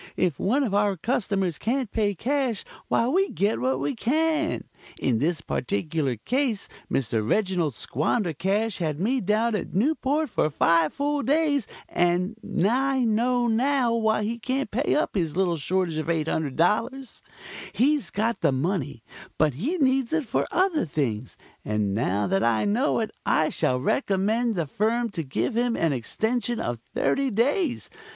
If one of our customers can't pay cash, why we get what we can. In this particular case Mr. Reginald Squandercash had me down at Newport for five full days, and I know now why he can't pay up his little shortage of $800. He's got the money, but he needs it for other things, and now that I know it I shall recommend the firm to give him an extension of thirty days.